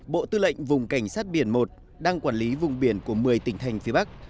bộ tư lệnh vùng cảnh sát biển một đang quản lý vùng biển của một mươi tỉnh thành phía bắc